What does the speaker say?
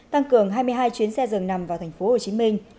tăng cường hai mươi hai chuyến xe dường nằm vào tp hcm